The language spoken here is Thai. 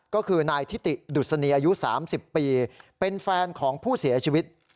ก็คือนายทิติดุษณีอายุ๓๐ปีเป็นแฟนของผู้เสียชีวิต